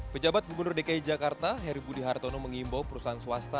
pejabat gubernur dki jakarta heri budi hartono mengimbau perusahaan swasta